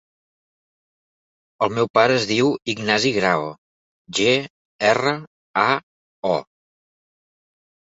El meu pare es diu Ignasi Grao: ge, erra, a, o.